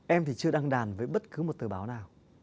em thì chưa đăng đàn với bất cứ một tờ báo nào